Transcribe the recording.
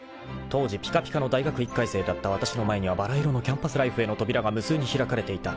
［当時ぴかぴかの大学１回生だったわたしの前にはばら色のキャンパスライフへの扉が無数に開かれていた。